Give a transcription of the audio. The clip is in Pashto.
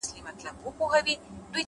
• زړه مي د اشنا په لاس کي وليدی؛